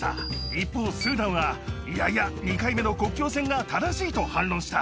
一方スーダンはいやいや２回目の国境線が正しいと反論した。